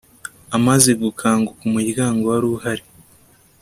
Amaze gukanguka umuryango wari uhari